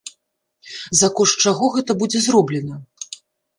За кошт чаго гэта будзе зроблена?